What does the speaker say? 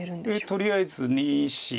とりあえず２子。